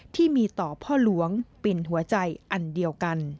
ที่มีต่อพ่อหลวงเป็นหัวใจอันเดียวกัน